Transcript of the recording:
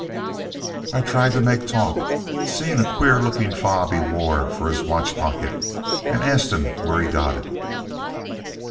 I tried to make talk. Seen a queer looking fob he wore for his watch pocket. Asked him where he got it.